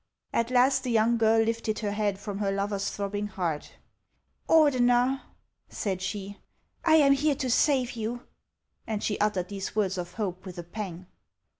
HANS OF ICELAND. 461 At last the young girl lifted her head from her lover's throbbing heart. " Ordener," said she, " I am here to save you ;" and she uttered these words of hope with a pang.